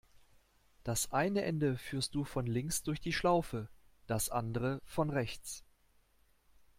Das eine Ende führst du von links durch die Schlaufe, das andere von rechts.